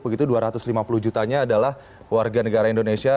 begitu dua ratus lima puluh jutanya adalah warga negara indonesia